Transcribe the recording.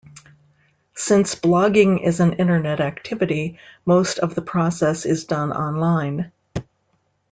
Since blogging is an Internet activity, most of the process is done online.